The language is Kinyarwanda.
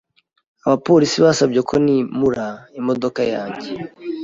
Abapolisi basabye ko nimura imodoka yanjye.